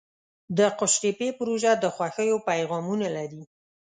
د قوشتېپې پروژه د خوښیو پیغامونه لري.